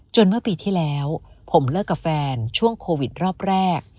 เมื่อปีที่แล้วผมเลิกกับแฟนช่วงโควิดรอบแรก